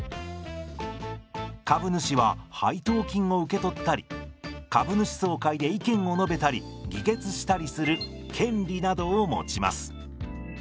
株主は配当金を受け取ったり株主総会で意見を述べたり議決したりする権利などを持ちます。